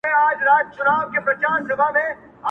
• دوی د پیښي په اړه پوښتني کوي او حيران دي..